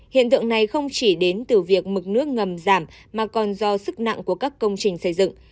hiện tượng này không chỉ đến từ việc mực nước ngầm giảm mà còn do sức nặng của các công trình xây dựng